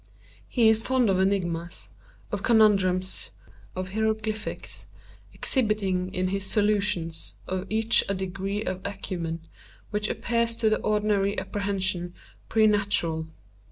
He is fond of enigmas, of conundrums, of hieroglyphics; exhibiting in his solutions of each a degree of acumen which appears to the ordinary apprehension præternatural.